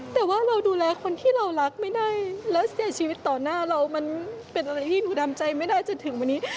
แต่ว่าเราดูแลคนที่เรารักไม่ได้และเสียชีวิตต่อหน้าเรามันเป็นอะไรที่หนูทำใจไม่ได้จนถึงวันนี้